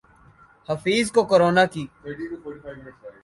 حفیظ کو کرونا کی